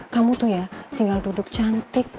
kamu tuh ya tinggal duduk cantik